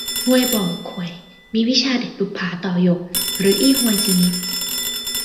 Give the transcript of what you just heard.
ฮวยบ่อข่วยมีวิชาเด็ดบุปผาต่อหยก หรืออี้ฮวยจิเง็ก